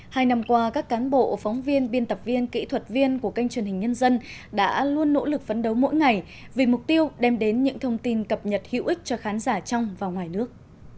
hai năm qua các cán bộ phóng viên biên tập viên kỹ thuật viên của kênh truyền hình nhân dân đã luôn nỗ lực phấn đấu mỗi ngày vì mục tiêu đem đến những thông tin cập nhật hữu ích cho khán giả trong và ngoài nước